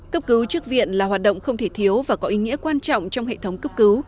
cấp cứu trước viện là hoạt động không thể thiếu và có ý nghĩa quan trọng trong hệ thống cấp cứu